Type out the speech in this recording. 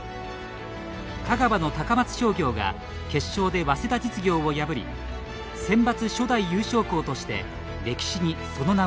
香川の高松商業が決勝で早稲田実業を破りセンバツ初代優勝校として歴史にその名を刻みました。